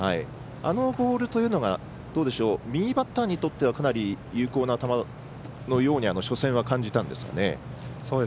あのボールというのが右バッターにとってはかなり有効な球のようには初戦は感じたんですが。